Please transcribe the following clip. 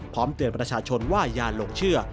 เตือนประชาชนว่าอย่าหลงเชื่อ